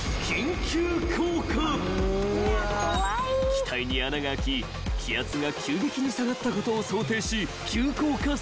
［機体に穴が開き気圧が急激に下がったことを想定し急降下する］